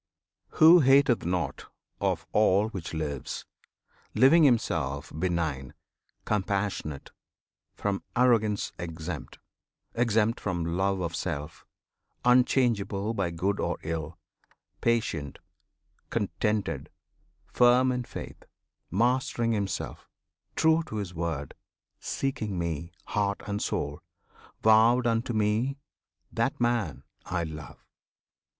Who hateth nought Of all which lives, living himself benign, Compassionate, from arrogance exempt, Exempt from love of self, unchangeable By good or ill; patient, contented, firm In faith, mastering himself, true to his word, Seeking Me, heart and soul; vowed unto Me, That man I love!